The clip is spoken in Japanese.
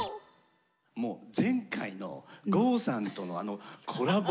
もう前回の郷さんとのあのコラボ。